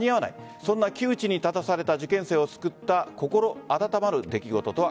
そんな窮地に立たされた受験生を救った心温まる出来事とは。